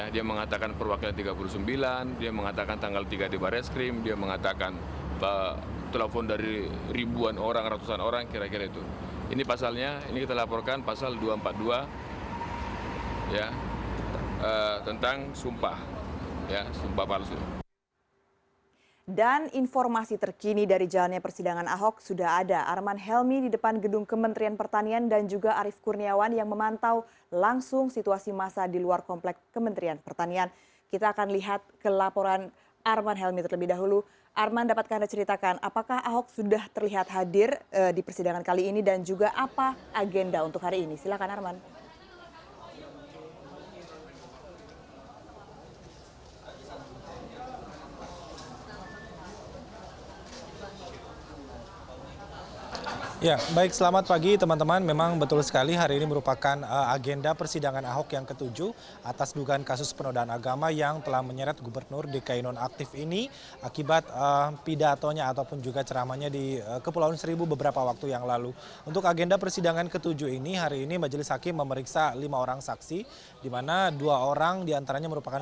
dia mengatakan perwakilan tiga puluh sembilan dia mengatakan tanggal tiga di baris krim dia mengatakan telepon dari ribuan orang ratusan orang kira kira itu